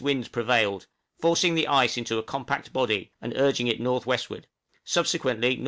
winds prevailed, forcing the ice into a compact body, and urging it north westward; subsequently N.W.